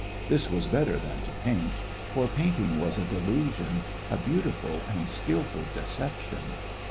This was better than to paint; for painting was a delusion, a beautiful and skillful deception.